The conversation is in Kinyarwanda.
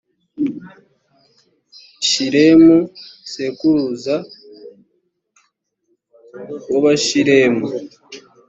shilemu sekuruza w’abashilemu.